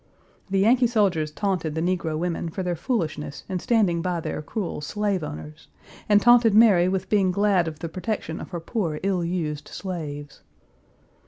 The Yankee soldiers taunted the negro women for their foolishness in standing by their cruel slave owners, and taunted Mary with being glad of the protection of her poor ill used slaves.